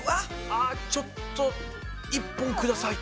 あちょっと１本ください。